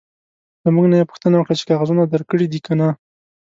له موږ نه یې پوښتنه وکړه چې کاغذونه درکړي دي که نه.